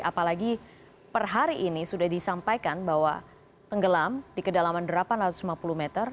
apalagi per hari ini sudah disampaikan bahwa tenggelam di kedalaman delapan ratus lima puluh meter